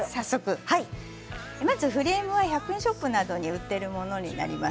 まずフレームは１００円ショップなどで売っているものになります。